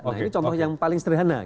nah ini contoh yang paling sederhana